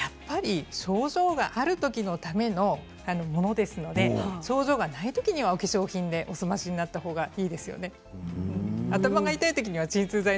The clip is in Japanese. やっぱり症状がある時のためのものですので症状がない時にはお化粧品でお済ませになった方がいいですよね。